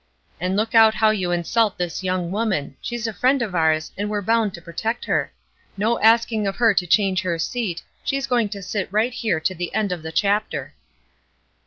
And look out how you insult this young woman; she's a friend of ours, and we're bound to protect her. No asking of her to change her seat; she's going to sit right here to the end of the chapter."